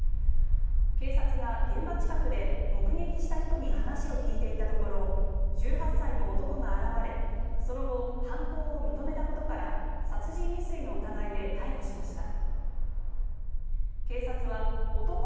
警察が現場近くで目撃した人に話を聞いていたところ１８歳の男が現れその後、犯行を認めたことから殺人未遂の疑いで逮捕しました。